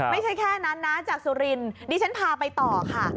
ไม่ใช่แค่นั้นนะจากสุรินดิฉันพาไปต่อค่ะ